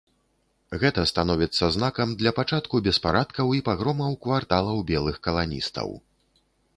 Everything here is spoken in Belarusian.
Гэта становіцца знакам для пачатку беспарадкаў і пагромаў кварталаў белых каланістаў.